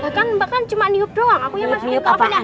ya kan mbak kan cuma niup doang aku yang masukin ke apaan